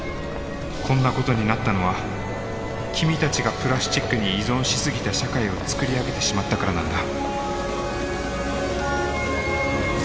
こんなことになったのは君たちがプラスチックに依存し過ぎた社会を作り上げてしまったからなんだ。